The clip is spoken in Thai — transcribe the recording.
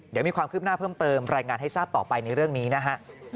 เดี๋ยวมีความคืบหน้าเพิ่มเติมรายงานให้ทราบต่อไปในเรื่องนี้นะฮะ